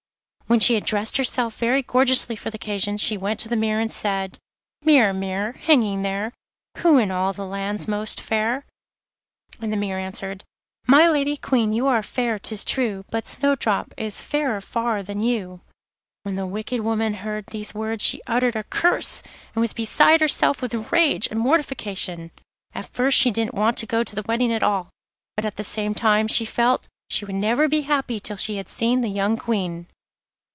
When she had dressed herself very gorgeously for the occasion, she went to the mirror, and said: 'Mirror, mirror, hanging there, Who in all the land's most fair?' and the mirror answered: 'My Lady Queen, you are fair, 'tis true, But Snowdrop is fairer far than you.' When the wicked woman heard these words she uttered a curse, and was beside herself with rage and mortification. At first she didn't want to go to the wedding at all, but at the same time she felt she would never be happy till she had seen the young Queen.